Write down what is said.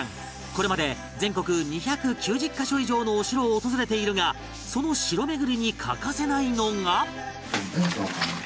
これまで全国２９０カ所以上のお城を訪れているがその城巡りに欠かせないのが